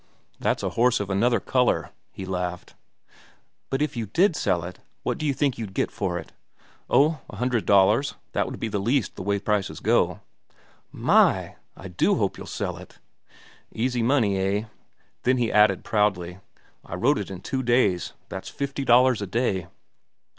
"That's a horse of another color," he laughed. "But if you did sell it, what do you think you'd get for it?" "Oh, a hundred dollars. That would be the least, the way prices go." "My! I do hope you'll sell it!" "Easy money, eh?" Then he added proudly: "I wrote it in two days. That's fifty dollars a day."